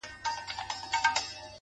قاضي صاحبه ملامت نه یم بچي وږي وه،